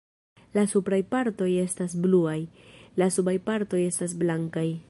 La supraj partoj esta bluaj; la subaj partoj estas blankaj.